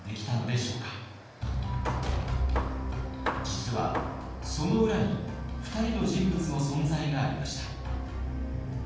実はその裏に２人の人物の存在がありました。